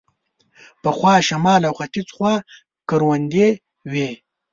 پخوا شمال او ختیځ خوا کروندې وې.